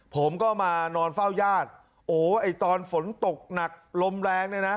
ผมก็มานอนเฝ้าญาติโอ้ไอ้ตอนฝนตกหนักลมแรงเนี่ยนะ